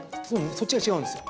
そっちが違うんですよ。